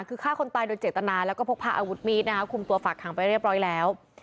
คือฆ่าคนตายโดยเจตนาแล้วก็พกพาอาวุธมีดนะคะคุมตัวฝากขังไปเรียบร้อยแล้ว